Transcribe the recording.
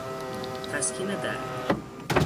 تسکین درد